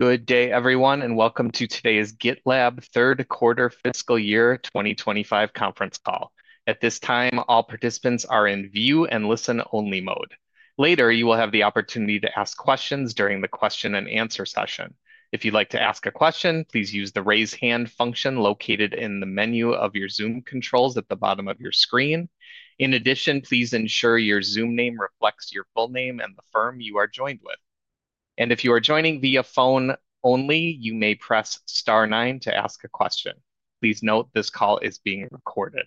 Good day, everyone, and welcome to today's GitLab Q3 FY25 conference call. At this time, all participants are in view and listen-only mode. Later, you will have the opportunity to ask questions during the Q&A session. If you'd like to ask a question, please use the raise hand function located in the menu of your Zoom controls at the bottom of your screen. In addition, please ensure your Zoom name reflects your full name and the firm you are joined with. And if you are joining via phone only, you may press star 9 to ask a question. Please note this call is being recorded.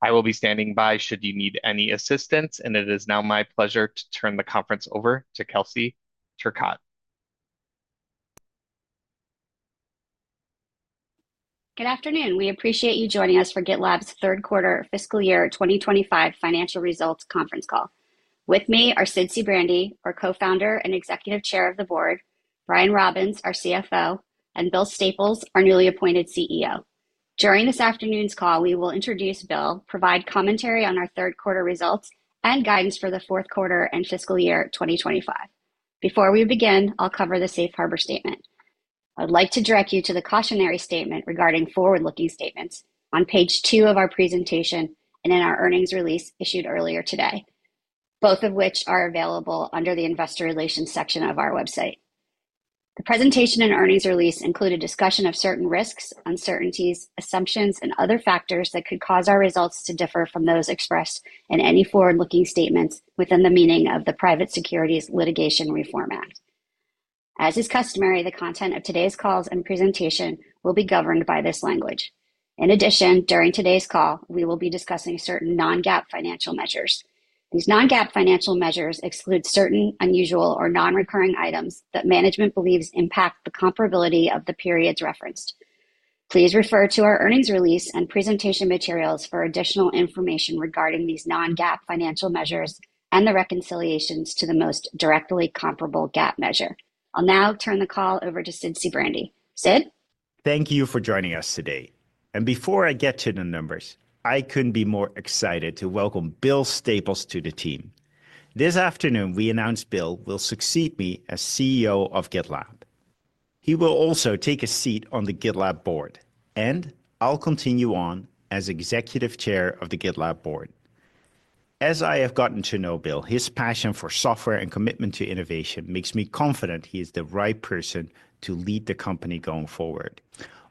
I will be standing by should you need any assistance, and it is now my pleasure to turn the conference over to Kelsey Turcotte. Good afternoon. We appreciate you joining us for GitLab's Q3 FY25 financial results conference call. With me are Sid Sijbrandij, our co-founder and Executive Chair of the Board, Brian Robbins, our CFO, and Bill Staples, our newly appointed CEO. During this afternoon's call, we will introduce Bill, provide commentary on our Q3 results, and guidance for Q4 FY25. Before we begin, I'll cover the Safe Harbor Statement. I'd like to direct you to the cautionary statement regarding forward-looking statements on page two of our presentation and in our earnings release issued earlier today, both of which are available under the Investor Relations section of our website. The presentation and earnings release include a discussion of certain risks, uncertainties, assumptions, and other factors that could cause our results to differ from those expressed in any forward-looking statements within the meaning of the Private Securities Litigation Reform Act. As is customary, the content of today's calls and presentation will be governed by this language. In addition, during today's call, we will be discussing certain non-GAAP financial measures. These non-GAAP financial measures exclude certain unusual or non-recurring items that management believes impact the comparability of the periods referenced. Please refer to our earnings release and presentation materials for additional information regarding these non-GAAP financial measures and the reconciliations to the most directly comparable GAAP measure. I'll now turn the call over to Sid Sijbrandij. Sid? Thank you for joining us today, and before I get to the numbers, I couldn't be more excited to welcome Bill Staples to the team. This afternoon, we announced Bill will succeed me as CEO of GitLab. He will also take a seat on the GitLab board, and I'll continue on as executive chair of the GitLab board. As I have gotten to know Bill, his passion for software and commitment to innovation makes me confident he is the right person to lead the company going forward.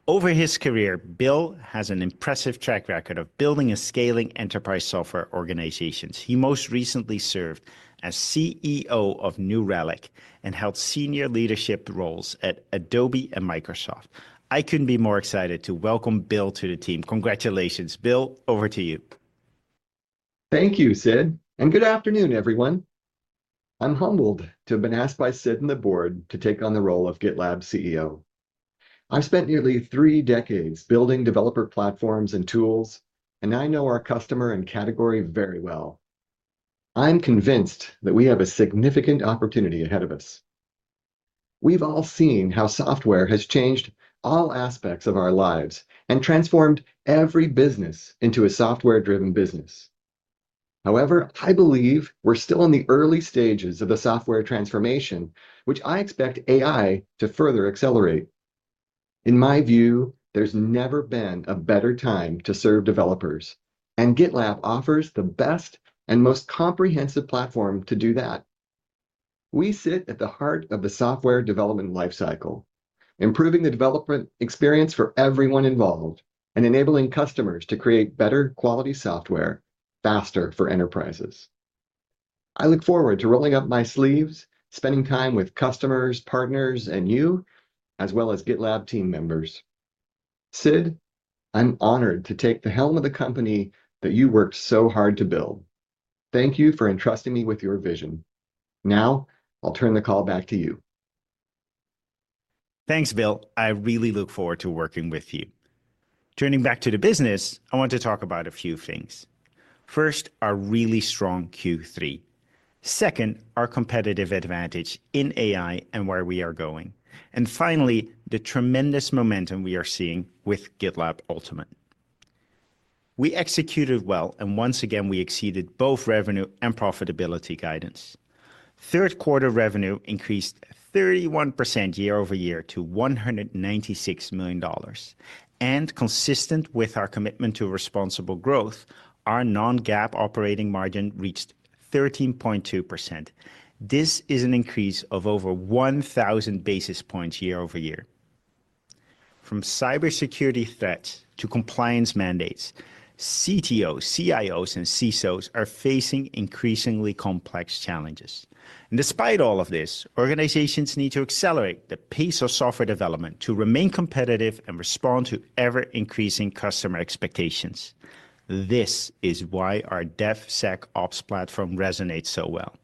Over his career, Bill has an impressive track record of building and scaling enterprise software organizations. He most recently served as CEO of New Relic and held senior leadership roles at Adobe and Microsoft. I couldn't be more excited to welcome Bill to the team. Congratulations. Bill, over to you. Thank you, Sid, and good afternoon, everyone. I'm humbled to have been asked by Sid and the board to take on the role of GitLab CEO. I've spent nearly three decades building developer platforms and tools, and I know our customer and category very well. I'm convinced that we have a significant opportunity ahead of us. We've all seen how software has changed all aspects of our lives and transformed every business into a software-driven business. However, I believe we're still in the early stages of the software transformation, which I expect AI to further accelerate. In my view, there's never been a better time to serve developers, and GitLab offers the best and most comprehensive platform to do that. We sit at the heart of the software development lifecycle, improving the development experience for everyone involved and enabling customers to create better quality software faster for enterprises. I look forward to rolling up my sleeves, spending time with customers, partners, and you, as well as GitLab team members. Sid, I'm honored to take the helm of the company that you worked so hard to build. Thank you for entrusting me with your vision. Now, I'll turn the call back to you. Thanks, Bill. I really look forward to working with you. Turning back to the business, I want to talk about a few things. First, our really strong Q3. Second, our competitive advantage in AI and where we are going. And finally, the tremendous momentum we are seeing with GitLab Ultimate. We executed well, and once again, we exceeded both revenue and profitability guidance. Q3 revenue increased 31% year over year to $196 million, and consistent with our commitment to responsible growth, our Non-GAAP operating margin reached 13.2%. This is an increase of over 1,000 basis points year over year. From cybersecurity threats to compliance mandates, CTOs, CIOs, and CISOs are facing increasingly complex challenges, and despite all of this, organizations need to accelerate the pace of software development to remain competitive and respond to ever-increasing customer expectations. This is why our DevSecOps platform resonates so well.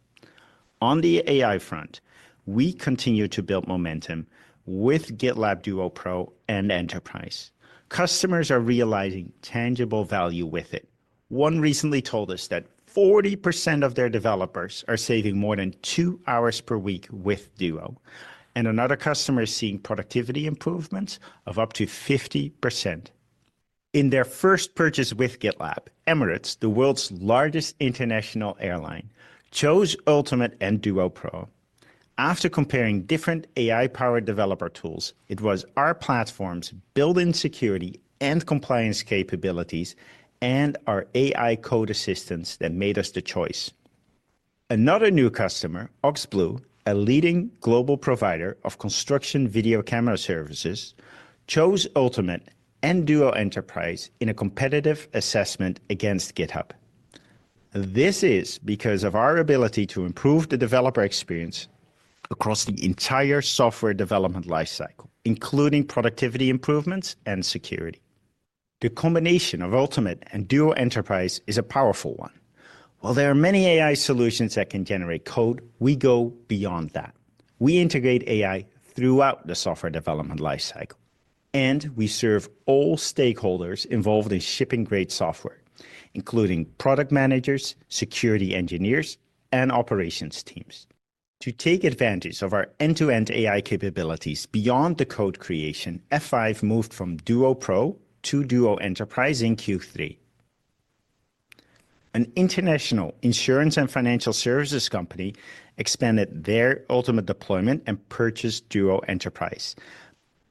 On the AI front, we continue to build momentum with GitLab Duo Pro and Enterprise. Customers are realizing tangible value with it. One recently told us that 40% of their developers are saving more than two hours per week with Duo, and another customer is seeing productivity improvements of up to 50%. In their first purchase with GitLab, Emirates, the world's largest international airline, chose Ultimate and Duo Pro. After comparing different AI-powered developer tools, it was our platform's built-in security and compliance capabilities and our AI code assistance that made us the choice. Another new customer, OxBlue, a leading global provider of construction video camera services, chose Ultimate and Duo Enterprise in a competitive assessment against GitHub. This is because of our ability to improve the developer experience across the entire software development lifecycle, including productivity improvements and security. The combination of Ultimate and Duo Enterprise is a powerful one. While there are many AI solutions that can generate code, we go beyond that. We integrate AI throughout the software development lifecycle, and we serve all stakeholders involved in shipping great software, including product managers, security engineers, and operations teams. To take advantage of our end-to-end AI capabilities beyond the code creation, F5 moved from Duo Pro to Duo Enterprise in Q3. An international insurance and financial services company expanded their Ultimate deployment and purchased Duo Enterprise.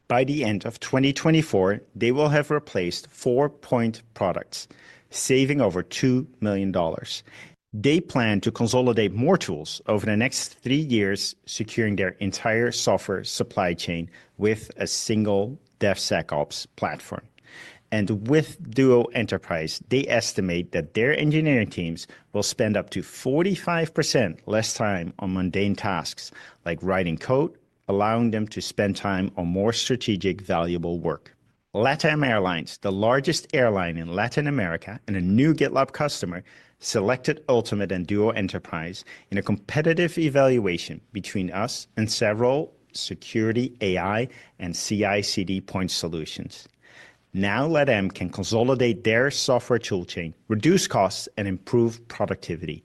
By the end of 2024, they will have replaced four point products, saving over $2 million. They plan to consolidate more tools over the next three years, securing their entire software supply chain with a single DevSecOps platform. With Duo Enterprise, they estimate that their engineering teams will spend up to 45% less time on mundane tasks like writing code, allowing them to spend time on more strategic, valuable work. LATAM Airlines, the largest airline in Latin America and a new GitLab customer, selected Ultimate and Duo Enterprise in a competitive evaluation between us and several security AI and CI/CD point solutions. Now LATAM can consolidate their software tool chain, reduce costs, and improve productivity,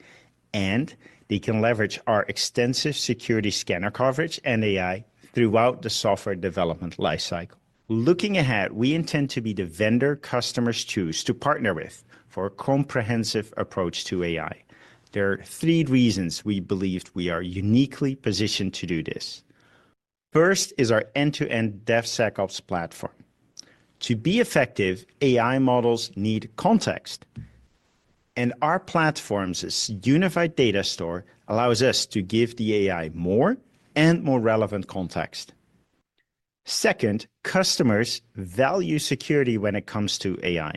and they can leverage our extensive security scanner coverage and AI throughout the software development lifecycle. Looking ahead, we intend to be the vendor customers choose to partner with for a comprehensive approach to AI. There are three reasons we believed we are uniquely positioned to do this. First is our end-to-end DevSecOps platform. To be effective, AI models need context, and our platform's unified data store allows us to give the AI more and more relevant context. Second, customers value security when it comes to AI.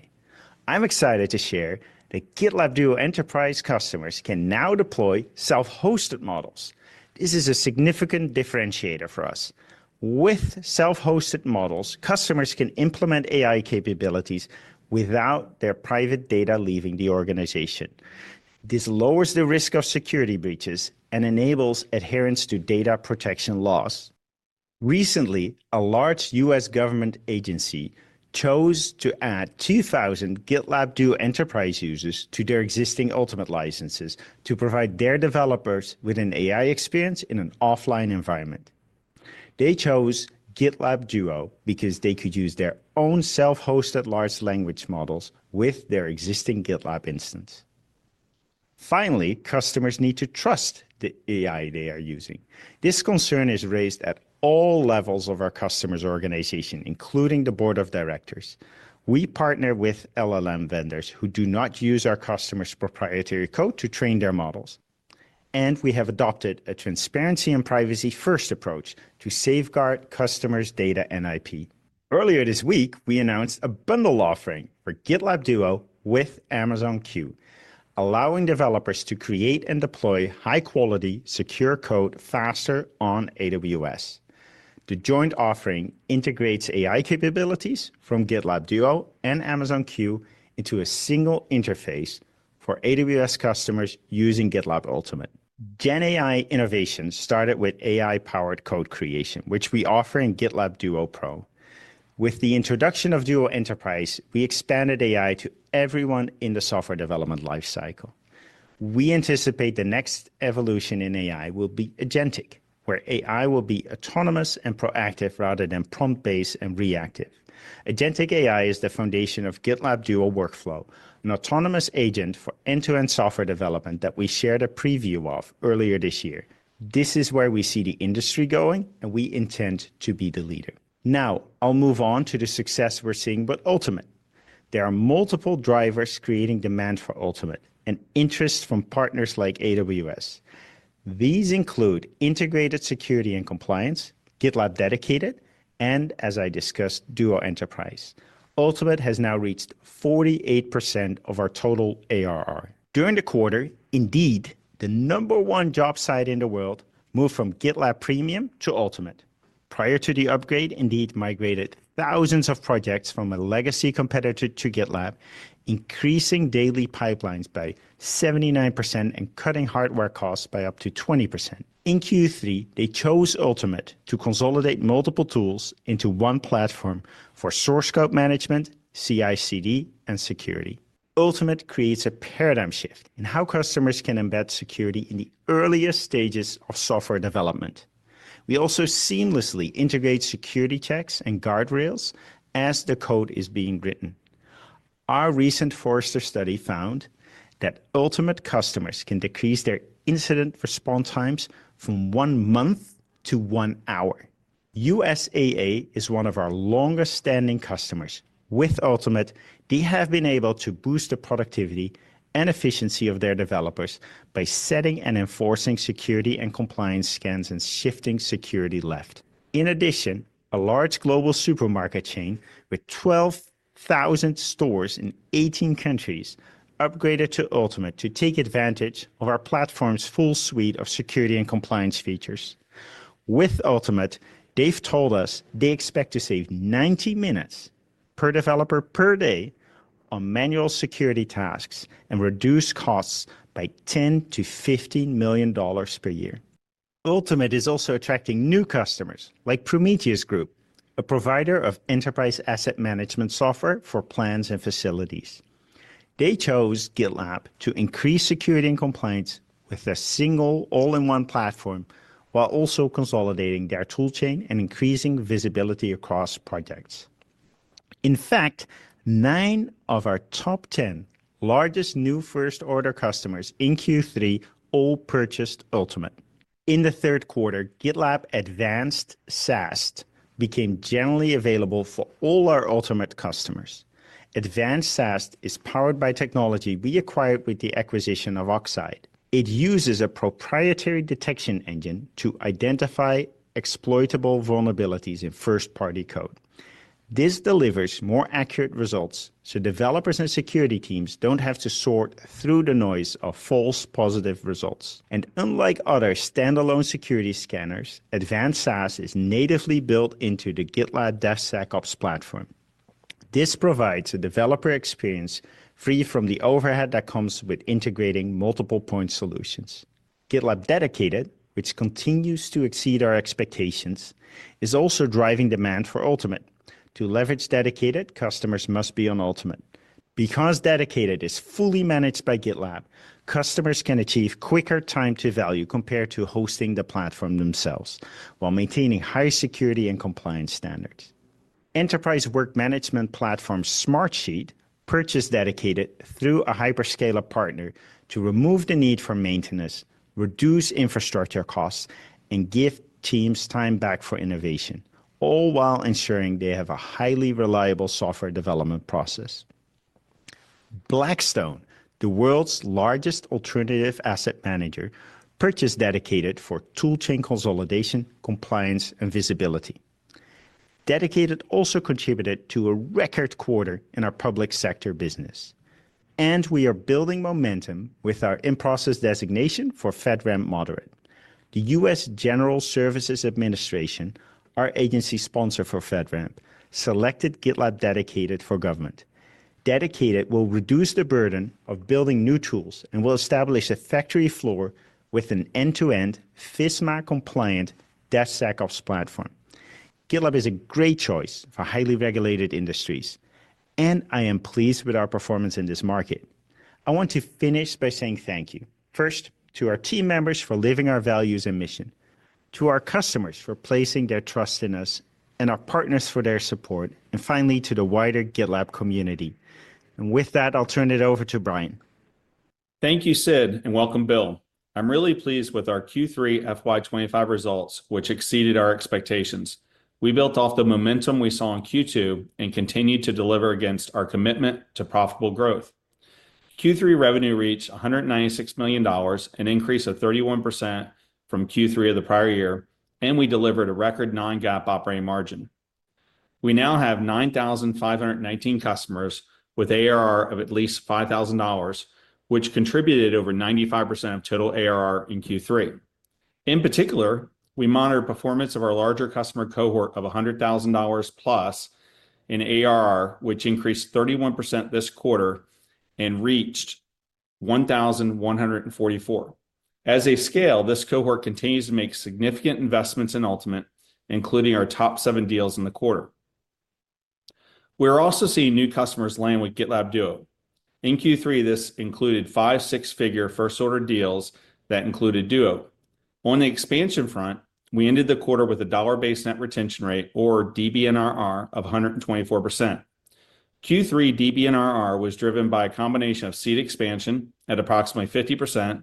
I'm excited to share that GitLab Duo Enterprise customers can now deploy self-hosted models. This is a significant differentiator for us. With self-hosted models, customers can implement AI capabilities without their private data leaving the organization. This lowers the risk of security breaches and enables adherence to data protection laws. Recently, a large U.S. government agency chose to add 2,000 GitLab Duo Enterprise users to their existing Ultimate licenses to provide their developers with an AI experience in an offline environment. They chose GitLab Duo because they could use their own self-hosted large language models with their existing GitLab instance. Finally, customers need to trust the AI they are using. This concern is raised at all levels of our customers' organization, including the board of directors. We partner with LLM vendors who do not use our customers' proprietary code to train their models, and we have adopted a transparency and privacy-first approach to safeguard customers' data and IP. Earlier this week, we announced a bundle offering for GitLab Duo with Amazon Q, allowing developers to create and deploy high-quality, secure code faster on AWS. The joint offering integrates AI capabilities from GitLab Duo and Amazon Q into a single interface for AWS customers using GitLab Ultimate. GenAI innovation started with AI-powered code creation, which we offer in GitLab Duo Pro. With the introduction of Duo Enterprise, we expanded AI to everyone in the software development lifecycle. We anticipate the next evolution in AI will be agentic, where AI will be autonomous and proactive rather than prompt-based and reactive. Agentic AI is the foundation of GitLab Duo Workflow, an autonomous agent for end-to-end software development that we shared a preview of earlier this year. This is where we see the industry going, and we intend to be the leader. Now, I'll move on to the success we're seeing with Ultimate. There are multiple drivers creating demand for Ultimate and interest from partners like AWS. These include integrated security and compliance, GitLab Dedicated, and, as I discussed, Duo Enterprise. Ultimate has now reached 48% of our total ARR. During the quarter, Indeed, the number one job site in the world, moved from GitLab Premium to Ultimate. Prior to the upgrade, Indeed migrated thousands of projects from a legacy competitor to GitLab, increasing daily pipelines by 79% and cutting hardware costs by up to 20%. In Q3, they chose Ultimate to consolidate multiple tools into one platform for source code management, CI/CD, and security. Ultimate creates a paradigm shift in how customers can embed security in the earliest stages of software development. We also seamlessly integrate security checks and guardrails as the code is being written. Our recent Forrester study found that Ultimate customers can decrease their incident response times from one month to one hour. USAA is one of our longest-standing customers. With Ultimate, they have been able to boost the productivity and efficiency of their developers by setting and enforcing security and compliance scans and shifting security left. In addition, a large global supermarket chain with 12,000 stores in 18 countries upgraded to Ultimate to take advantage of our platform's full suite of security and compliance features. With Ultimate, they've told us they expect to save 90 minutes per developer per day on manual security tasks and reduce costs by $10-$15 million per year. Ultimate is also attracting new customers like Prometheus Group, a provider of enterprise asset management software for plants and facilities. They chose GitLab to increase security and compliance with a single all-in-one platform while also consolidating their toolchain and increasing visibility across projects. In fact, nine of our top 10 largest new first-order customers in Q3 all purchased Ultimate. In the third quarter, GitLab Advanced SAST became generally available for all our Ultimate customers. Advanced SAST is powered by technology we acquired with the acquisition of Oxeye. It uses a proprietary detection engine to identify exploitable vulnerabilities in first-party code. This delivers more accurate results so developers and security teams don't have to sort through the noise of false positive results. Unlike other standalone security scanners, Advanced SaaS is natively built into the GitLab DevSecOps platform. This provides a developer experience free from the overhead that comes with integrating multiple point solutions. GitLab Dedicated, which continues to exceed our expectations, is also driving demand for Ultimate. To leverage Dedicated, customers must be on Ultimate. Because Dedicated is fully managed by GitLab, customers can achieve quicker time to value compared to hosting the platform themselves while maintaining higher security and compliance standards. Enterprise Work Management Platform Smartsheet purchased Dedicated through a hyperscaler partner to remove the need for maintenance, reduce infrastructure costs, and give teams time back for innovation, all while ensuring they have a highly reliable software development process. Blackstone, the world's largest alternative asset manager, purchased Dedicated for toolchain consolidation, compliance, and visibility. Dedicated also contributed to a record quarter in our public sector business, and we are building momentum with our in-process designation for FedRAMP Moderate. The U.S. General Services Administration, our agency sponsor for FedRAMP, selected GitLab Dedicated for government. Dedicated will reduce the burden of building new tools and will establish a factory floor with an end-to-end FISMA-compliant DevSecOps platform. GitLab is a great choice for highly regulated industries, and I am pleased with our performance in this market. I want to finish by saying thank you. First, to our team members for living our values and mission, to our customers for placing their trust in us, and our partners for their support, and finally to the wider GitLab community, and with that, I'll turn it over to Brian. Thank you, Sid, and welcome, Bill. I'm really pleased with our Q3 FY25 results, which exceeded our expectations. We built off the momentum we saw in Q2 and continued to deliver against our commitment to profitable growth. Q3 revenue reached $196 million, an increase of 31% from Q3 of the prior year, and we delivered a record non-GAAP operating margin. We now have 9,519 customers with ARR of at least $5,000, which contributed over 95% of total ARR in Q3. In particular, we monitored performance of our larger customer cohort of $100,000 plus in ARR, which increased 31% this quarter and reached 1,144. At scale, this cohort continues to make significant investments in Ultimate, including our top seven deals in the quarter. We're also seeing new customers land with GitLab Duo. In Q3, this included five six-figure first-order deals that included Duo. On the expansion front, we ended the quarter with a dollar-based net retention rate, or DBNRR, of 124%. Q3 DBNRR was driven by a combination of seat expansion at approximately 50%,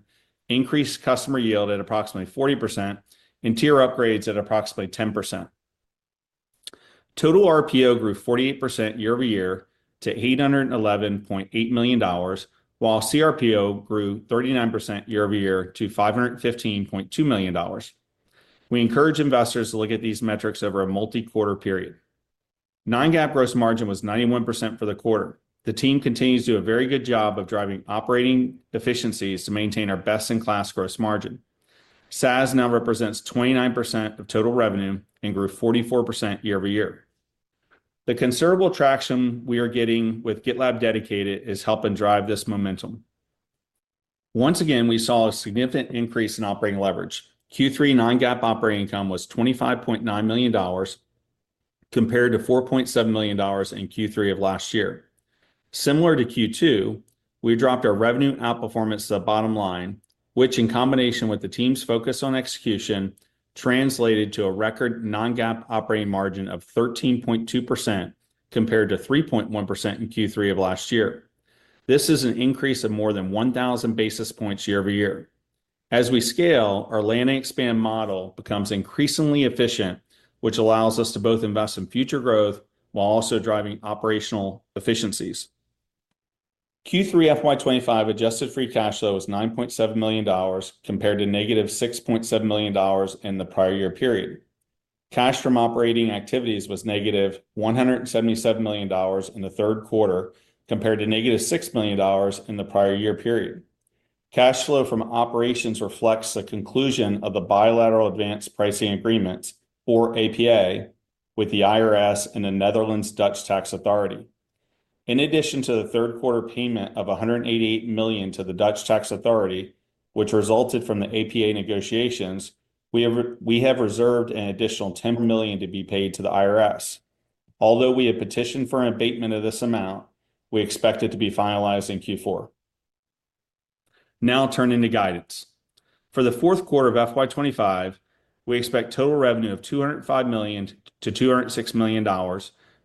increased customer yield at approximately 40%, and tier upgrades at approximately 10%. Total RPO grew 48% year-over-year to $811.8 million, while CRPO grew 39% year-over-year to $515.2 million. We encourage investors to look at these metrics over a multi-quarter period. Non-GAAP gross margin was 91% for the quarter. The team continues to do a very good job of driving operating efficiencies to maintain our best-in-class gross margin. SaaS now represents 29% of total revenue and grew 44% year-over-year. The considerable traction we are getting with GitLab Dedicated is helping drive this momentum. Once again, we saw a significant increase in operating leverage. Q3 non-GAAP operating income was $25.9 million compared to $4.7 million in Q3 of last year. Similar to Q2, we dropped our revenue outperformance to the bottom line, which, in combination with the team's focus on execution, translated to a record Non-GAAP operating margin of 13.2% compared to 3.1% in Q3 of last year. This is an increase of more than 1,000 basis points year-over-year. As we scale, our land and expand model becomes increasingly efficient, which allows us to both invest in future growth while also driving operational efficiencies. Q3 FY25 adjusted free cash flow was $9.7 million compared to negative $6.7 million in the prior year period. Cash from operating activities was negative $177 million in the third quarter compared to negative $6 million in the prior year period. Cash flow from operations reflects the conclusion of the bilateral advance pricing agreements, or APA, with the IRS and the Dutch Tax Authority. In addition to the third quarter payment of $188 million to the Dutch Tax Authority, which resulted from the APA negotiations, we have reserved an additional $10 million to be paid to the IRS. Although we have petitioned for an abatement of this amount, we expect it to be finalized in Q4. Now, turning to guidance. For the fourth quarter of FY25, we expect total revenue of $205 million-$206 million,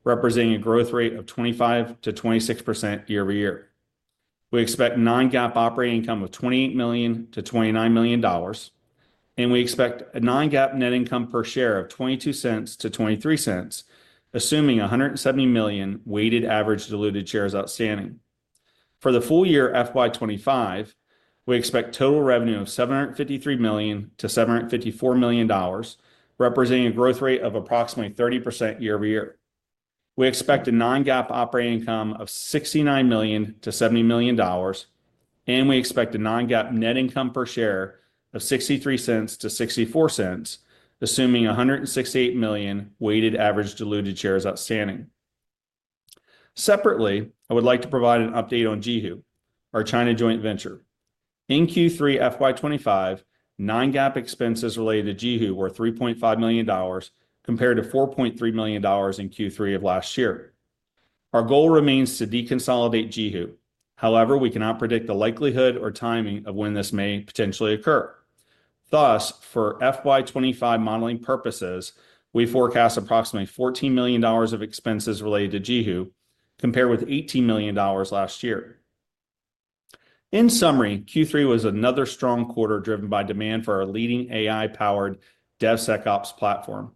representing a growth rate of 25%-26% year-over-year. We expect non-GAAP operating income of $28 million-$29 million, and we expect a non-GAAP net income per share of $0.22-$0.23, assuming 170 million weighted average diluted shares outstanding. For the full year FY25, we expect total revenue of $753 million-$754 million, representing a growth rate of approximately 30% year-over-year. We expect a non-GAAP operating income of $69 million-$70 million, and we expect a non-GAAP net income per share of $0.63-$0.64, assuming 168 million weighted average diluted shares outstanding. Separately, I would like to provide an update on JiHu, our China joint venture. In Q3 FY25, non-GAAP expenses related to JiHu were $3.5 million compared to $4.3 million in Q3 of last year. Our goal remains to deconsolidate JiHu. However, we cannot predict the likelihood or timing of when this may potentially occur. Thus, for FY25 modeling purposes, we forecast approximately $14 million of expenses related to JiHu compared with $18 million last year. In summary, Q3 was another strong quarter driven by demand for our leading AI-powered DevSecOps platform.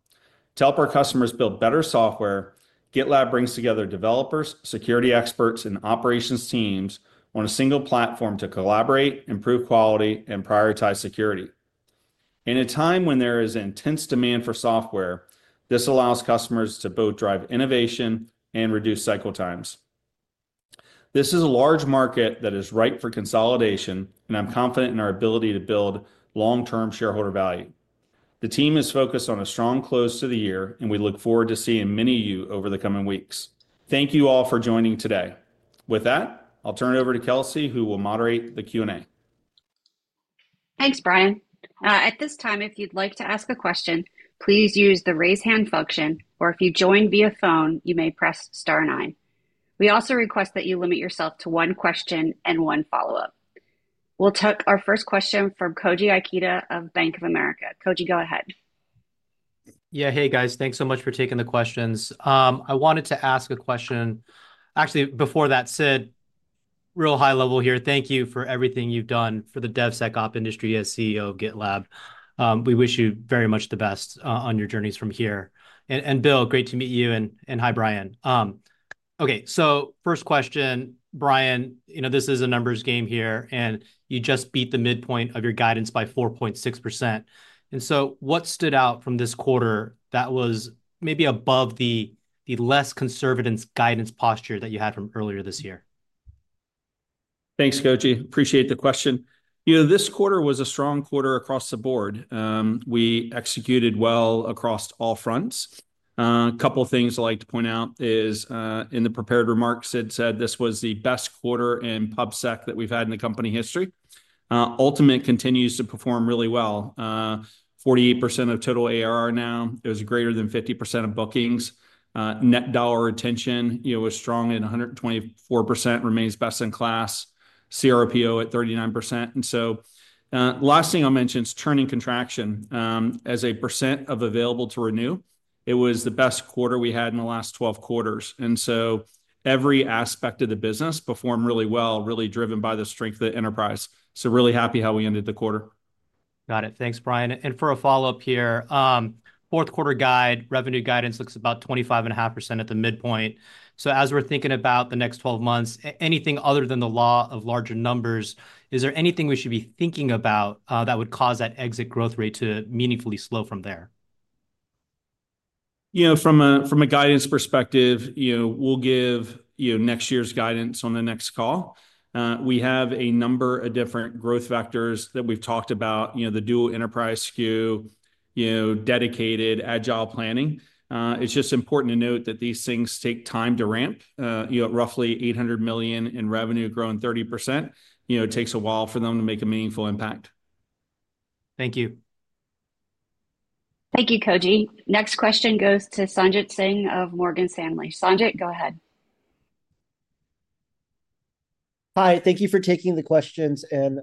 To help our customers build better software, GitLab brings together developers, security experts, and operations teams on a single platform to collaborate, improve quality, and prioritize security. In a time when there is intense demand for software, this allows customers to both drive innovation and reduce cycle times. This is a large market that is ripe for consolidation, and I'm confident in our ability to build long-term shareholder value. The team is focused on a strong close to the year, and we look forward to seeing many of you over the coming weeks. Thank you all for joining today. With that, I'll turn it over to Kelsey, who will moderate the Q&A. Thanks, Brian. At this time, if you'd like to ask a question, please use the raise hand function, or if you joined via phone, you may press star nine. We also request that you limit yourself to one question and one follow-up. We'll take our first question from Koji Ikeda of Bank of America. Koji, go ahead. Yeah, hey, guys. Thanks so much for taking the questions. I wanted to ask a question. Actually, before that, Sid, real high level here, thank you for everything you've done for the DevSecOps industry as CEO of GitLab. We wish you very much the best on your journeys from here. And Bill, great to meet you. And hi, Brian. Okay, so first question, Brian, you know this is a numbers game here, and you just beat the midpoint of your guidance by 4.6%, and so what stood out from this quarter that was maybe above the less conservative guidance posture that you had from earlier this year? Thanks, Koji. Appreciate the question. You know, this quarter was a strong quarter across the board. We executed well across all fronts. A couple of things I'd like to point out is in the prepared remarks, Sid said this was the best quarter in PubSec that we've had in the company history. Ultimate continues to perform really well. 48% of total ARR now. It was greater than 50% of bookings. Net dollar retention, you know, was strong at 124%, remains best in class. CRPO at 39%. And so the last thing I'll mention is churning contraction. As a percent of available to renew, it was the best quarter we had in the last 12 quarters. And so every aspect of the business performed really well, really driven by the strength of the enterprise. So really happy how we ended the quarter. Got it. Thanks, Brian. And for a follow-up here, fourth quarter guide, revenue guidance looks about 25.5% at the midpoint. So as we're thinking about the next 12 months, anything other than the law of larger numbers, is there anything we should be thinking about that would cause that exit growth rate to meaningfully slow from there? You know, from a guidance perspective, you know, we'll give next year's guidance on the next call. We have a number of different growth factors that we've talked about, you know, the Duo Enterprise SKU, you know, Dedicated Agile Planning. It's just important to note that these things take time to ramp. You know, at roughly $800 million in revenue growing 30%, you know, it takes a while for them to make a meaningful impact. Thank you. Thank you, Koji. Next question goes to Sanjit Singh of Morgan Stanley. Sanjit, go ahead. Hi, thank you for taking the questions. And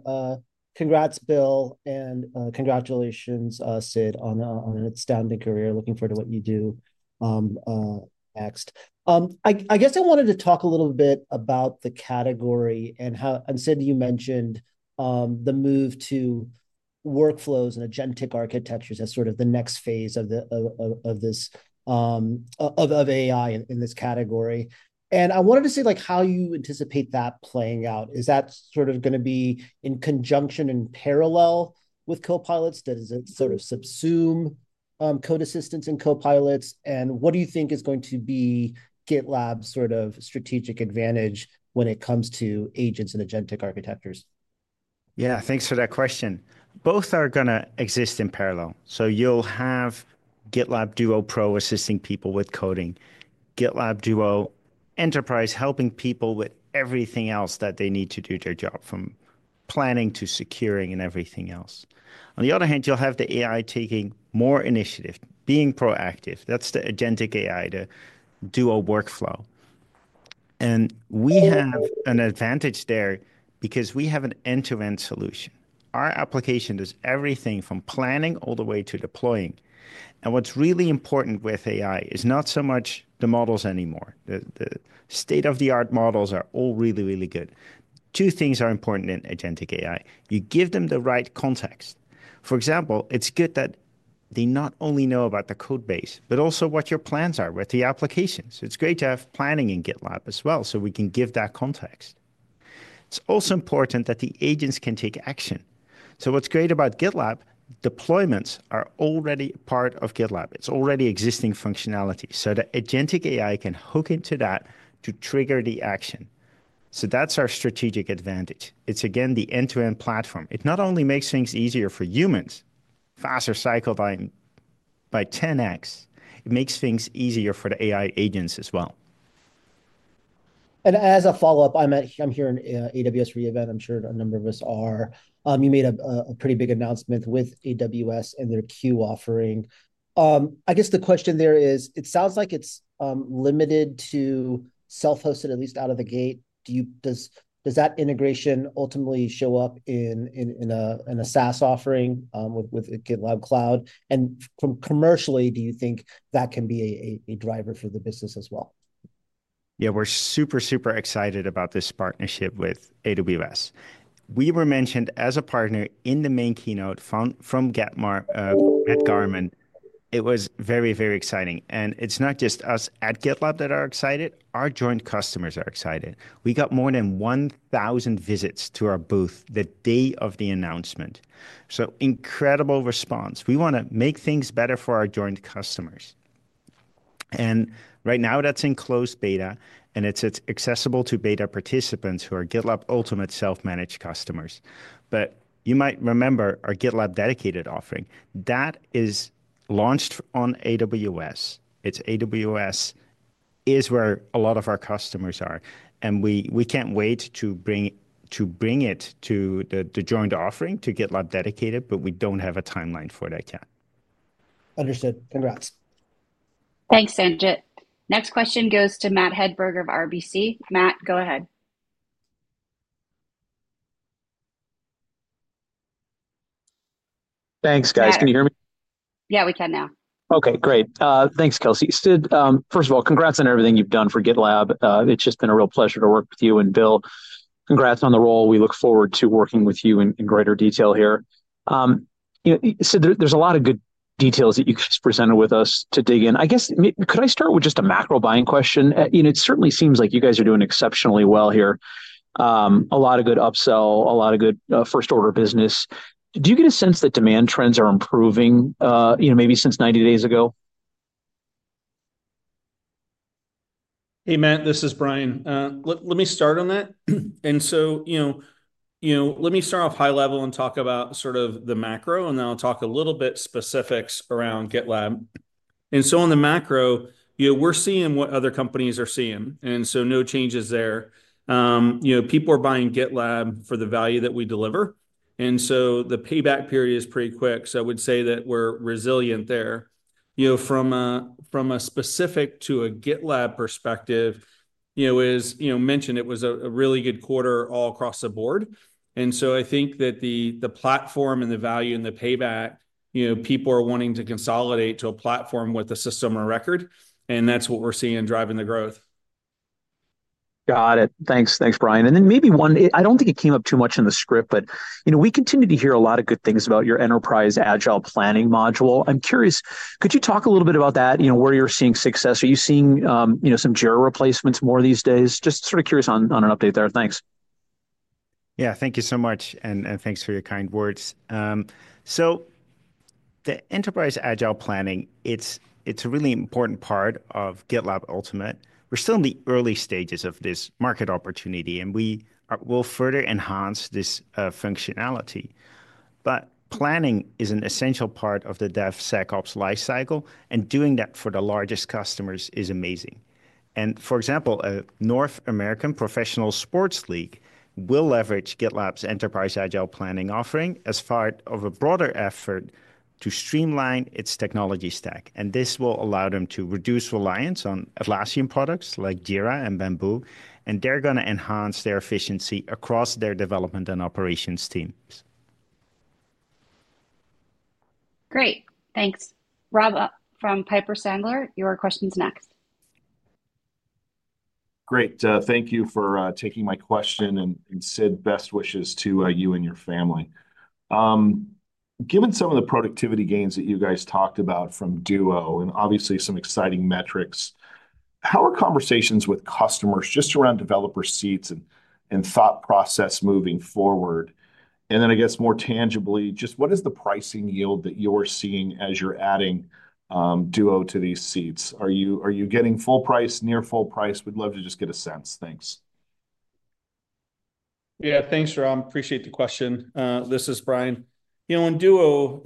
congrats, Bill, and congratulations, Sid, on an outstanding career. Looking forward to what you do next. I guess I wanted to talk a little bit about the category and how, and Sid, you mentioned the move to workflows and agentic architectures as sort of the next phase of AI in this category. And I wanted to see how you anticipate that playing out. Is that sort of going to be in conjunction and parallel with copilots? Does it sort of subsume code assistants and copilots? And what do you think is going to be GitLab's sort of strategic advantage when it comes to agents and agentic architectures? Yeah, thanks for that question. Both are going to exist in parallel. So you'll have GitLab Duo Pro assisting people with coding, GitLab Duo Enterprise helping people with everything else that they need to do their job from planning to securing and everything else. On the other hand, you'll have the AI taking more initiative, being proactive. That's the agentic AI, the Duo workflow. And we have an advantage there because we have an end-to-end solution. Our application does everything from planning all the way to deploying. And what's really important with AI is not so much the models anymore. The state-of-the-art models are all really, really good. Two things are important in agentic AI. You give them the right context. For example, it's good that they not only know about the code base, but also what your plants are with the applications. It's great to have planning in GitLab as well so we can give that context. It's also important that the agents can take action. So, what's great about GitLab? Deployments are already part of GitLab. It's already existing functionality. So, the agentic AI can hook into that to trigger the action. So, that's our strategic advantage. It's, again, the end-to-end platform. It not only makes things easier for humans, faster cycle time by 10x, it makes things easier for the AI agents as well. And, as a follow-up, I'm here in AWS re:Invent. I'm sure a number of us are. You made a pretty big announcement with AWS and their Q offering. I guess the question there is, it sounds like it's limited to self-hosted, at least out of the gate. Does that integration ultimately show up in a SaaS offering with GitLab Cloud? And, from commercially, do you think that can be a driver for the business as well? Yeah, we're super, super excited about this partnership with AWS. We were mentioned as a partner in the main keynote at re:Invent. It was very, very exciting. And it's not just us at GitLab that are excited. Our joint customers are excited. We got more than 1,000 visits to our booth the day of the announcement. So incredible response. We want to make things better for our joint customers. And right now, that's in closed beta, and it's accessible to beta participants who are GitLab Ultimate self-managed customers. But you might remember our GitLab Dedicated offering. That is launched on AWS. It's AWS is where a lot of our customers are. And we can't wait to bring it to the joint offering to GitLab Dedicated, but we don't have a timeline for that yet. Understood. Congrats. Thanks, Sanjit. Next question goes to Matt Hedberg of RBC. Matt, go ahead. Thanks, guys. Can you hear me? Yeah, we can now. Okay, great. Thanks, Kelsey. Sid, first of all, congrats on everything you've done for GitLab. It's just been a real pleasure to work with you and Bill. Congrats on the role. We look forward to working with you in greater detail here. Sid, there's a lot of good details that you just presented with us to dig in. I guess, could I start with just a macro buying question? It certainly seems like you guys are doing exceptionally well here. A lot of good upsell, a lot of good first-order business. Do you get a sense that demand trends are improving maybe since 90 days ago? Hey, Matt, this is Brian. Let me start on that. And so let me start off high level and talk about sort of the macro, and then I'll talk a little bit specifics around GitLab. And so on the macro, we're seeing what other companies are seeing. And so no changes there. People are buying GitLab for the value that we deliver. And so the payback period is pretty quick. So I would say that we're resilient there. From a specific to a GitLab perspective, as mentioned, it was a really good quarter all across the board. And so I think that the platform and the value and the payback, people are wanting to consolidate to a platform with a system of record. And that's what we're seeing driving the growth. Got it. Thanks, Brian. And then maybe one. I don't think it came up too much in the script, but we continue to hear a lot of good things about your Enterprise Agile Planning module. I'm curious. Could you talk a little bit about that, where you're seeing success? Are you seeing some Jira replacements more these days? Just sort of curious on an update there. Thanks. Yeah, thank you so much. And thanks for your kind words. So the Enterprise Agile Planning, it's a really important part of GitLab Ultimate. We're still in the early stages of this market opportunity, and we will further enhance this functionality. But planning is an essential part of the DevSecOps lifecycle, and doing that for the largest customers is amazing. And for example, a North American professional sports league will leverage GitLab's Enterprise Agile Planning offering as part of a broader effort to streamline its technology stack. And this will allow them to reduce reliance on Atlassian products like Jira and Bamboo. And they're going to enhance their efficiency across their development and operations teams. Great. Thanks. Rob from Piper Sandler, your question's next. Great. Thank you for taking my question. And Sid, best wishes to you and your family. Given some of the productivity gains that you guys talked about from Duo and obviously some exciting metrics, how are conversations with customers just around developer seats and thought process moving forward? And then I guess more tangibly, just what is the pricing yield that you're seeing as you're adding Duo to these seats? Are you getting full price, near full price? We'd love to just get a sense. Thanks. Yeah, thanks, Rob. Appreciate the question. This is Brian. You know, in Duo,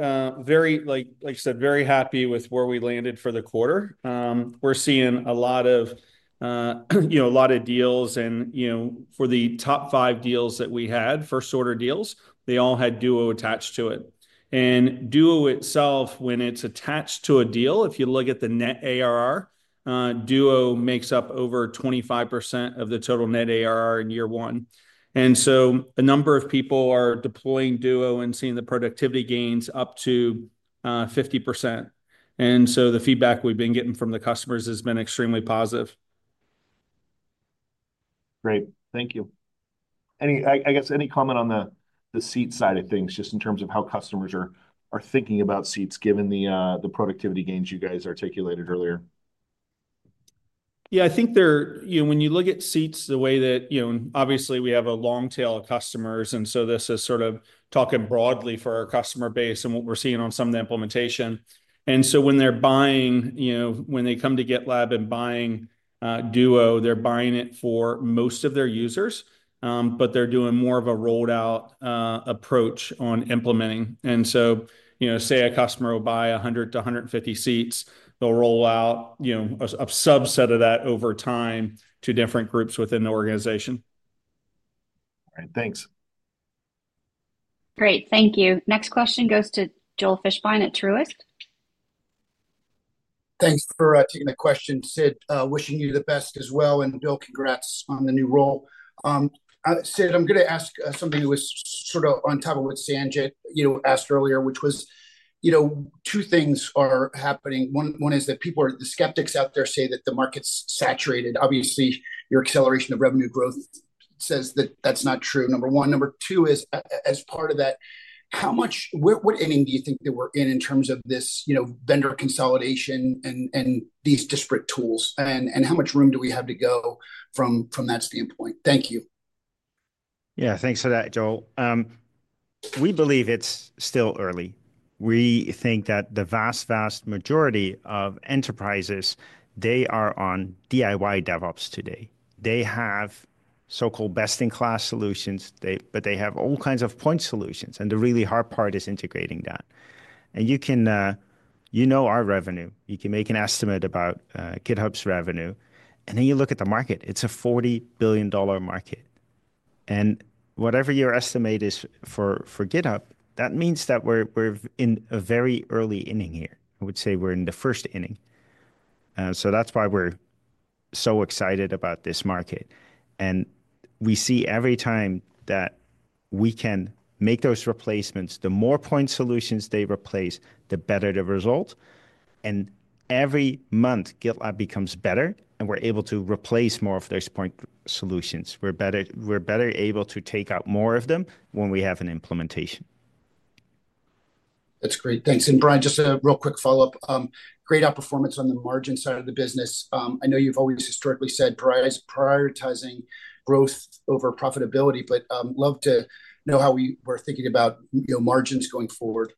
like I said, very happy with where we landed for the quarter. We're seeing a lot of a lot of deals. And for the top five deals that we had, first-order deals, they all had Duo attached to it. And Duo itself, when it's attached to a deal, if you look at the net ARR, Duo makes up over 25% of the total net ARR in year one. And so a number of people are deploying Duo and seeing the productivity gains up to 50%. And so the feedback we've been getting from the customers has been extremely positive. Great. Thank you. I guess any comment on the seat side of things, just in terms of how customers are thinking about seats, given the productivity gains you guys articulated earlier? Yeah, I think when you look at seats, the way that, obviously, we have a long tail of customers. And so this is sort of talking broadly for our customer base and what we're seeing on some of the implementation. And so when they're buying, when they come to GitLab and buying Duo, they're buying it for most of their users, but they're doing more of a rolled-out approach on implementing. And so say a customer will buy 100-150 seats, they'll roll out a subset of that over time to different groups within the organization. All right, thanks. Great, thank you. Next question goes to Joel Fishbein at Truist. Thanks for taking the question, Sid. Wishing you the best as well. And Bill, congrats on the new role. Sid, I'm going to ask something that was sort of on top of what Sanjit asked earlier, which was two things are happening. One is that people are, the skeptics out there say that the market's saturated. Obviously, your acceleration of revenue growth says that that's not true, number one. Number two is, as part of that, how much what inning do you think that we're in in terms of this vendor consolidation and these disparate tools? And how much room do we have to go from that standpoint? Thank you. Yeah, thanks for that, Joel. We believe it's still early. We think that the vast, vast majority of enterprises, they are on DIY DevOps today. They have so-called best-in-class solutions, but they have all kinds of point solutions. And the really hard part is integrating that. And you know our revenue. You can make an estimate about GitHub's revenue. And then you look at the market, it's a $40 billion market. And whatever your estimate is for GitHub, that means that we're in a very early inning here. I would say we're in the first inning. So that's why we're so excited about this market. And we see every time that we can make those replacements, the more point solutions they replace, the better the result. And every month, GitLab becomes better, and we're able to replace more of those point solutions. We're better able to take out more of them when we have an implementation. That's great. Thanks. And Brian, just a real quick follow-up. Great outperformance on the margin side of the business. I know you've always historically said prioritizing growth over profitability, but I'd love to know how we were thinking about margins going forward.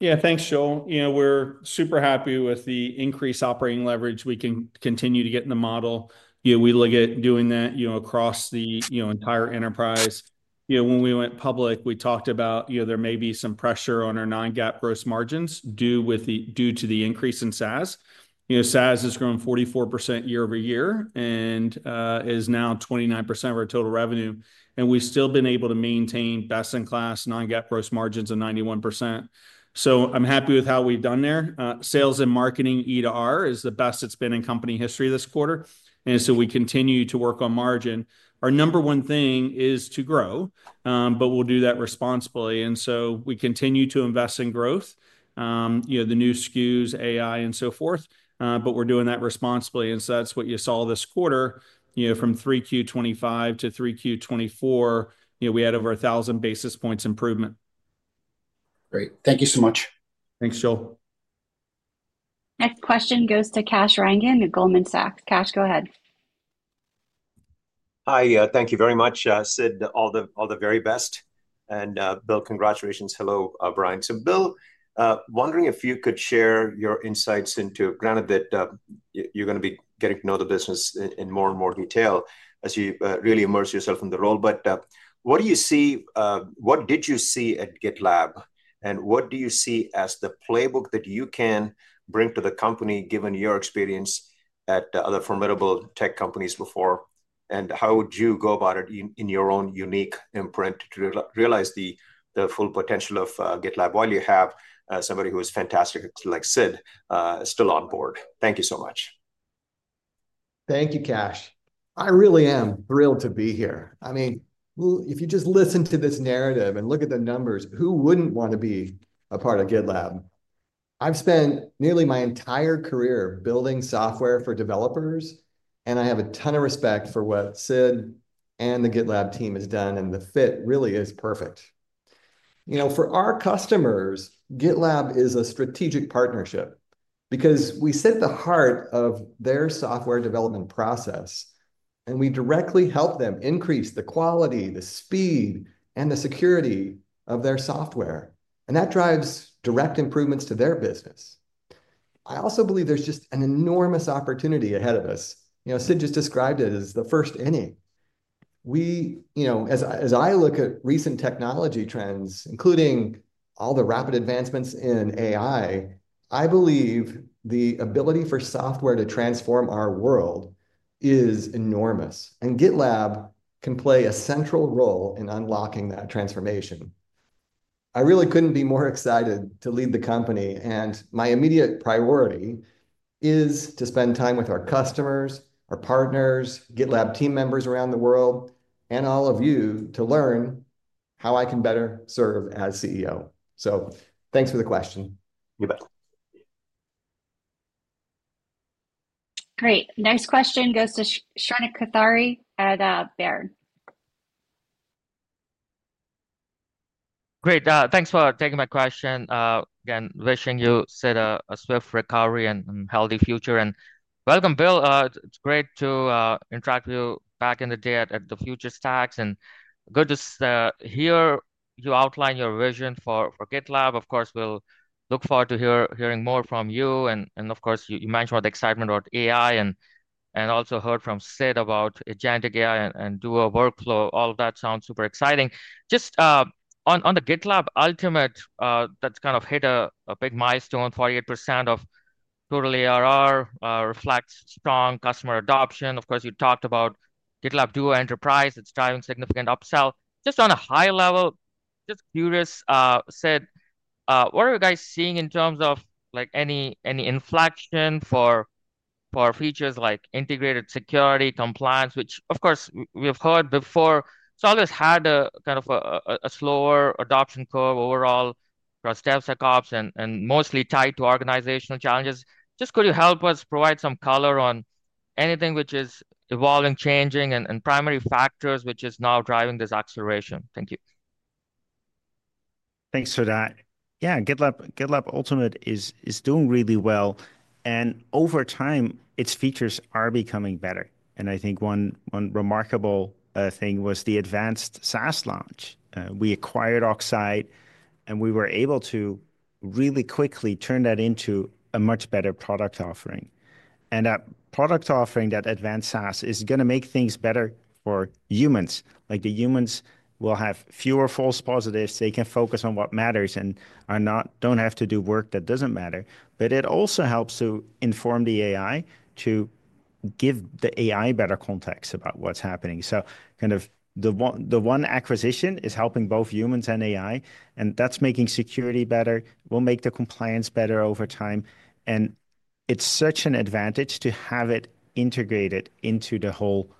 Yeah, thanks, Joel. We're super happy with the increased operating leverage. We can continue to get in the model. We look at doing that across the entire enterprise. When we went public, we talked about there may be some pressure on our non-GAAP gross margins due to the increase in SaaS. SaaS has grown 44% year over year and is now 29% of our total revenue. We've still been able to maintain best-in-class non-GAAP gross margins of 91%. So I'm happy with how we've done there. Sales and marketing efficiency is the best it's been in company history this quarter. We continue to work on margin. Our number one thing is to grow, but we'll do that responsibly. We continue to invest in growth, the new SKUs, AI, and so forth. We're doing that responsibly. That's what you saw this quarter. From 3Q25 to 3Q24, we had over 1,000 basis points improvement. Great. Thank you so much. Thanks, Joel. Next question goes to Kash Rangan at Goldman Sachs. Kash, go ahead. Hi, thank you very much. Sid, all the very best. And Bill, congratulations. Hello, Brian. So Bill, wondering if you could share your insights into granted that you're going to be getting to know the business in more and more detail as you really immerse yourself in the role. But what do you see? What did you see at GitLab? And what do you see as the playbook that you can bring to the company, given your experience at other formidable tech companies before? And how would you go about it in your own unique imprint to realize the full potential of GitLab while you have somebody who is fantastic, like Sid, still on board? Thank you so much. Thank you, Kash. I really am thrilled to be here. I mean, if you just listen to this narrative and look at the numbers, who wouldn't want to be a part of GitLab? I've spent nearly my entire career building software for developers, and I have a ton of respect for what Sid and the GitLab team has done, and the fit really is perfect. For our customers, GitLab is a strategic partnership because we sit at the heart of their software development process, and we directly help them increase the quality, the speed, and the security of their software, and that drives direct improvements to their business. I also believe there's just an enormous opportunity ahead of us. Sid just described it as the first inning. As I look at recent technology trends, including all the rapid advancements in AI, I believe the ability for software to transform our world is enormous. GitLab can play a central role in unlocking that transformation. I really couldn't be more excited to lead the company. My immediate priority is to spend time with our customers, our partners, GitLab team members around the world, and all of you to learn how I can better serve as CEO. So thanks for the question. You bet. Great. Next question goes to Shrenik Kothari at Baird. Great. Thanks for taking my question. Again, wishing you, Sid, a swift recovery and a healthy future. Welcome, Bill. It's great to interact with you back in the day at the FutureStack. Good to hear you outline your vision for GitLab. Of course, we'll look forward to hearing more from you. Of course, you mentioned the excitement about AI and also heard from Sid about agentic AI and Duo workflow. All of that sounds super exciting. Just on the GitLab Ultimate, that's kind of hit a big milestone. 48% of total ARR reflects strong customer adoption. Of course, you talked about GitLab Duo Enterprise. It's driving significant upsell. Just on a high level, just curious, Sid, what are you guys seeing in terms of any inflection for features like integrated security compliance, which, of course, we've heard before. It's always had a kind of a slower adoption curve overall across DevSecOps and mostly tied to organizational challenges. Just could you help us provide some color on anything which is evolving, changing, and primary factors which is now driving this acceleration? Thank you. Thanks for that. Yeah, GitLab Ultimate is doing really well. And over time, its features are becoming better. And I think one remarkable thing was the Advanced SaaS launch. We acquired Oxeye, and we were able to really quickly turn that into a much better product offering. And that product offering, that Advanced SaaS, is going to make things better for humans. Like the humans will have fewer false positives. They can focus on what matters and don't have to do work that doesn't matter. But it also helps to inform the AI to give the AI better context about what's happening. So kind of the one acquisition is helping both humans and AI. And that's making security better. It will make the compliance better over time. And it's such an advantage to have it integrated into the whole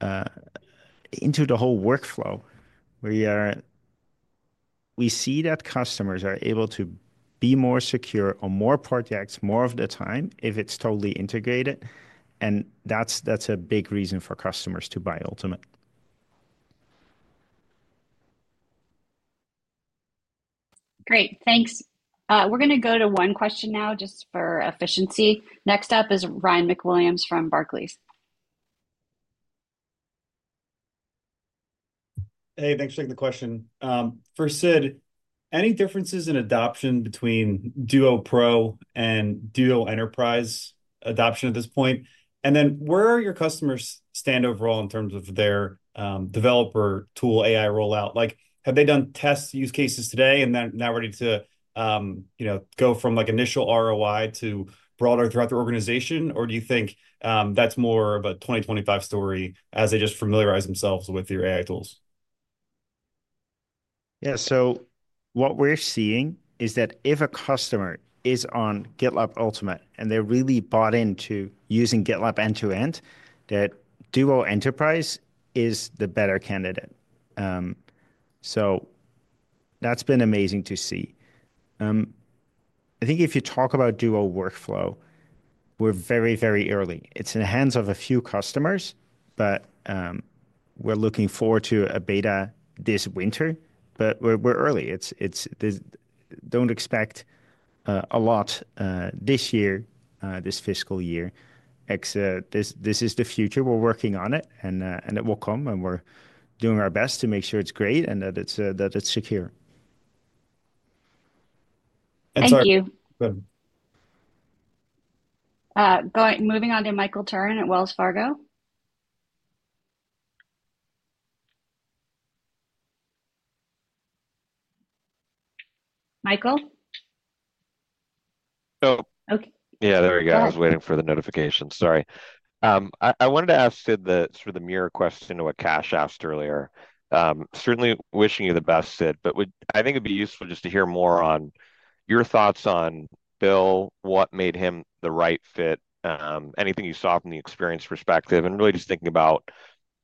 workflow. We see that customers are able to be more secure on more projects more of the time if it's totally integrated. And that's a big reason for customers to buy Ultimate. Great. Thanks. We're going to go to one question now, just for efficiency. Next up is Ryan MacWilliams from Barclays. Hey, thanks for taking the question. For Sid, any differences in adoption between Duo Pro and Duo Enterprise adoption at this point? And then where do your customers stand overall in terms of their developer tool AI rollout? Have they done test use cases to date and now ready to go from initial ROI to broader rollout throughout the organization? Or do you think that's more of a 2025 story as they just familiarize themselves with your AI tools? Yeah, so what we're seeing is that if a customer is on GitLab Ultimate and they're really bought into using GitLab end-to-end, that Duo Enterprise is the better candidate. So that's been amazing to see. I think if you talk about Duo Workflow, we're very, very early. It's in the hands of a few customers, but we're looking forward to a beta this winter. But we're early. Don't expect a lot this year, this fiscal year. This is the future. We're working on it, and it will come. And we're doing our best to make sure it's great and that it's secure. Thank you. Go ahead. Moving on to Michael Turrin at Wells Fargo. Michael? Oh, yeah, there we go. I was waiting for the notification. Sorry. I wanted to ask Sid the mirror question to what Cash asked earlier. Certainly wishing you the best, Sid. But I think it'd be useful just to hear more on your thoughts on Bill, what made him the right fit, anything you saw from the experience perspective, and really just thinking about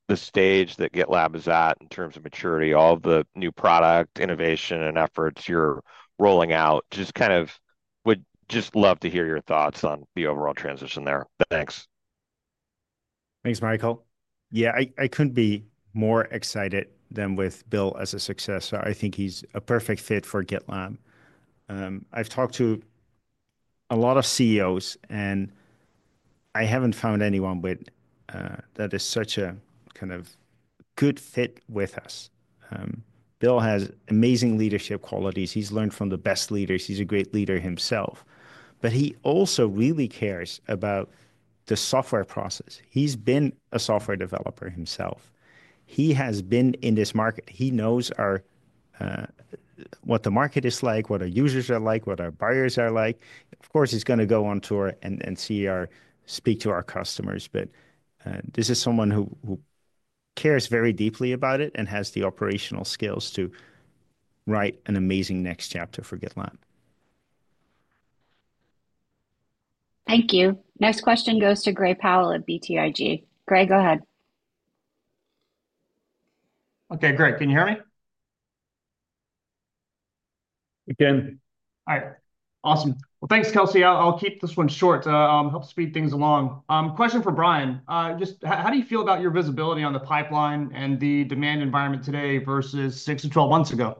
the stage that GitLab is at in terms of maturity, all of the new product innovation and efforts you're rolling out. Just kind of would just love to hear your thoughts on the overall transition there. Thanks. Thanks, Michael. Yeah, I couldn't be more excited than with Bill as a success. So I think he's a perfect fit for GitLab. I've talked to a lot of CEOs, and I haven't found anyone that is such a kind of good fit with us. Bill has amazing leadership qualities. He's learned from the best leaders. He's a great leader himself. But he also really cares about the software process. He's been a software developer himself. He has been in this market. He knows what the market is like, what our users are like, what our buyers are like. Of course, he's going to go on tour and speak to our customers. But this is someone who cares very deeply about it and has the operational skills to write an amazing next chapter for GitLab. Thank you. Next question goes to Gray Powell at BTIG. Gray, go ahead. Okay, great. Can you hear me? We can. All right. Awesome. Well, thanks, Kelsey. I'll keep this one short. Helps speed things along. Question for Brian. Just how do you feel about your visibility on the pipeline and the demand environment today versus 6-12 months ago?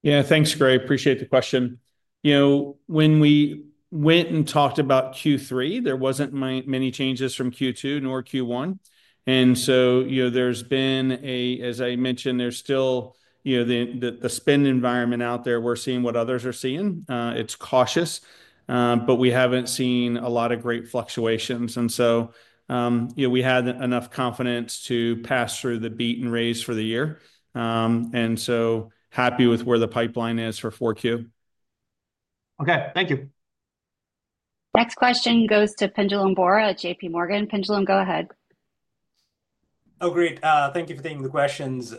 Yeah, thanks, Gray. Appreciate the question. When we went and talked about Q3, there weren't many changes from Q2 nor Q1. And so, as I mentioned, there's still the spend environment out there. We're seeing what others are seeing. It's cautious, but we haven't seen a lot of great fluctuations. And so we had enough confidence to pass through the beat and raise for the year. And so happy with where the pipeline is for 4Q. Okay, thank you. Next question goes to Pinjalim Bora at JPMorgan. Pinjalim, go ahead. Oh, great. Thank you for taking the questions.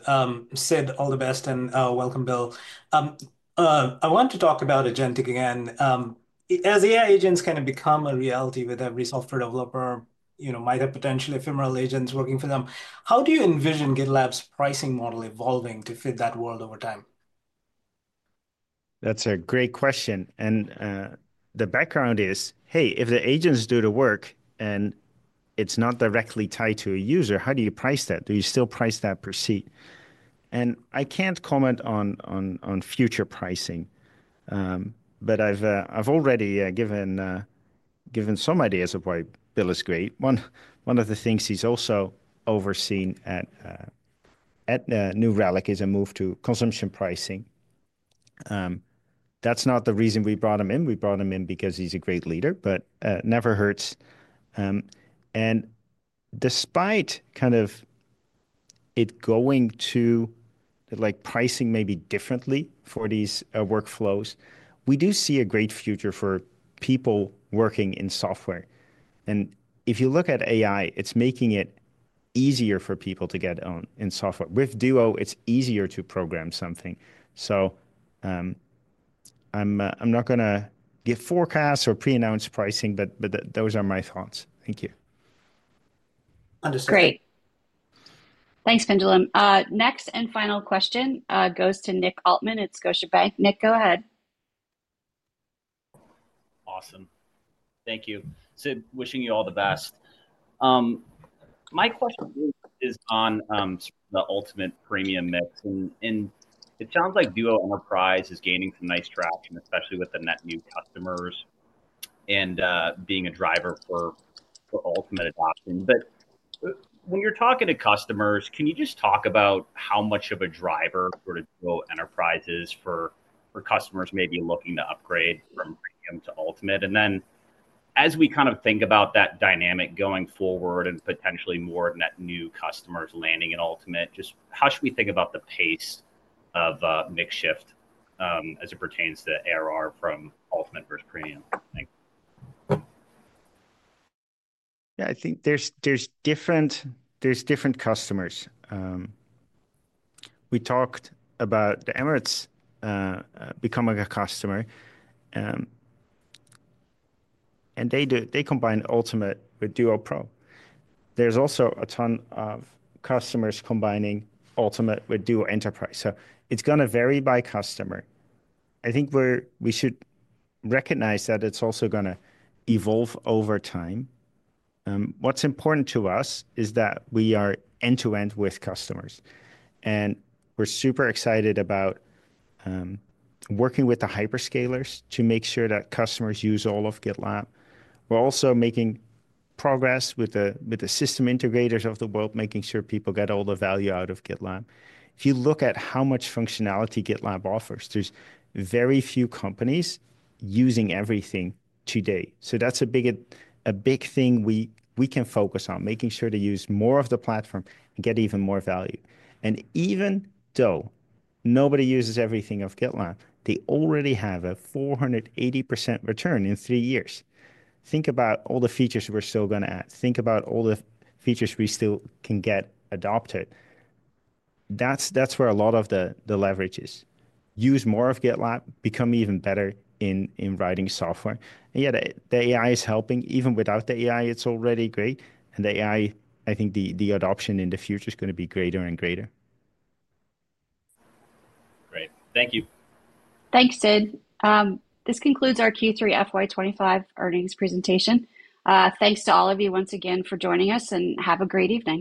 Sid, all the best, and welcome, Bill. I want to talk about agentic again. As AI agents kind of become a reality with every software developer, might have potentially ephemeral agents working for them, how do you envision GitLab's pricing model evolving to fit that world over time? That's a great question. And the background is, hey, if the agents do the work and it's not directly tied to a user, how do you price that? Do you still price that per seat? And I can't comment on future pricing, but I've already given some ideas of why Bill is great. One of the things he's also overseen at New Relic is a move to consumption pricing. That's not the reason we brought him in. We brought him in because he's a great leader, but never hurts. And despite kind of it going to pricing maybe differently for these workflows, we do see a great future for people working in software. And if you look at AI, it's making it easier for people to get in software. With Duo, it's easier to program something. So I'm not going to give forecasts or pre-announce pricing, but those are my thoughts. Thank you. Understood. Great. Thanks, Pinjalim. Next and final question goes to Nick Altmann at Scotiabank. Nick, go ahead. Awesome. Thank you. Sid, wishing you all the best. My question is on the Ultimate Premium mix. And it sounds like Duo Enterprise is gaining some nice traction, especially with the net new customers and being a driver for Ultimate adoption. But when you're talking to customers, can you just talk about how much of a driver for Duo Enterprise is for customers maybe looking to upgrade from Premium to Ultimate? And then as we kind of think about that dynamic going forward and potentially more net new customers landing in Ultimate, just how should we think about the pace of a mix shift as it pertains to ARR from Ultimate versus Premium? Yeah, I think there's different customers. We talked about the Emirates becoming a customer. And they combine Ultimate with Duo Pro. There's also a ton of customers combining Ultimate with Duo Enterprise. So it's going to vary by customer. I think we should recognize that it's also going to evolve over time. What's important to us is that we are end-to-end with customers. And we're super excited about working with the hyperscalers to make sure that customers use all of GitLab. We're also making progress with the system integrators of the world, making sure people get all the value out of GitLab. If you look at how much functionality GitLab offers, there's very few companies using everything today. So that's a big thing we can focus on, making sure to use more of the platform and get even more value. And even though nobody uses everything of GitLab, they already have a 480% return in three years. Think about all the features we're still going to add. Think about all the features we still can get adopted. That's where a lot of the leverage is. Use more of GitLab, become even better in writing software. And yeah, the AI is helping. Even without the AI, it's already great. And the AI, I think the adoption in the future is going to be greater and greater. Great. Thank you. Thanks, Sid. This concludes our Q3 FY25 earnings presentation. Thanks to all of you once again for joining us, and have a great evening.